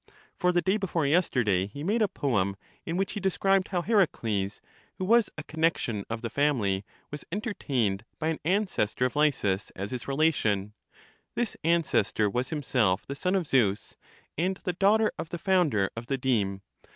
For the day before yesterday he made a poem in which he described how Heracles, who was a connection of the family, was entertained by an ancestor of Lysis as his relation; this ancestor was himself the son of Zeus and the daughter of the founder of the deme.